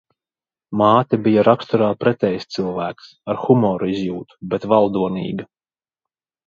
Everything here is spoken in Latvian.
Māte bija raksturā pretējs cilvēks - ar humora izjūtu, bet valdonīga.